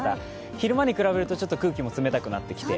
昼間に比べるとちょっと空気も冷たくなってきて。